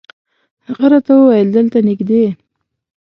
هغه راته وویل دلته نږدې.